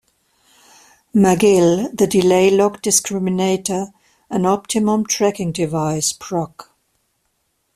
Magill, "The delay-lock discriminator--an optimum tracking device," Proc.